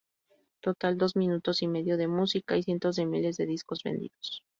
Total dos minutos y medio de música y cientos de miles de discos vendidos.